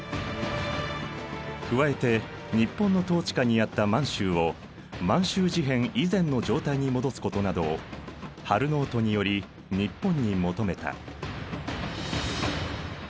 加えて日本の統治下にあった満州を満州事変以前の状態に戻すことなどを「ハル・ノート」により日本に求めた。